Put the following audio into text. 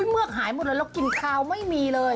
เมือกหายหมดแล้วเรากินท้าวไม่มีเลย